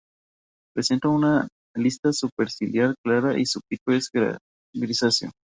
Presentan una lista superciliar clara y su pico es grisáceo.